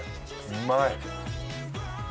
うまい。